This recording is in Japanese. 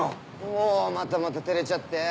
もうまたまた照れちゃって。